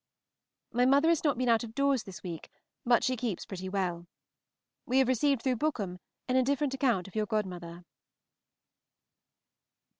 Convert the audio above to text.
My mother has not been out of doors this week, but she keeps pretty well. We have received through Bookham an indifferent account of your godmother.